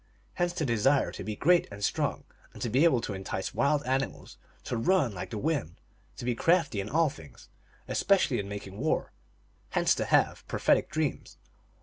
Hence the desire to be great and strong, to be able to entice wild animals, to run like the wind, to be crafty in all things, especially in making war ; hence to have pro phetic dreams.